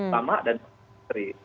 sama dan berkentari